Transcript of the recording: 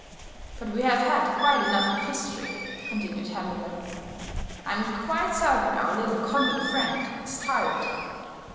But we have had quite enough of history," continued Herr Müller, "I am quite certain our little convent friend is tired."